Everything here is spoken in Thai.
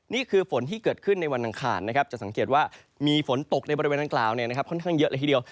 นี่คือฝนที่เกิดขึ้นในวันอังคารนะครับจะสังเกตว่ามีฝนตกในบริเวณดังกล่าวค่อนข้างเยอะเลยทีเดียว